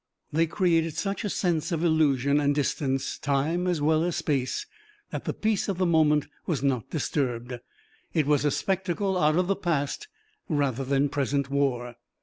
They created such a sense of illusion and distance, time as well as space, that the peace of the moment was not disturbed. It was a spectacle out of the past, rather than present war.